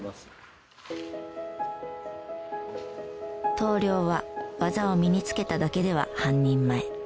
棟梁は技を身につけただけでは半人前。